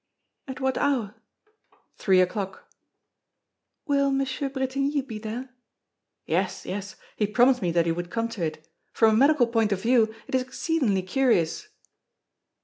"At what hour?" "Three o'clock." "Will M. Bretigny be there?" "Yes, yes. He promised me that he would come to it. From a medical point of view, it is exceedingly curious."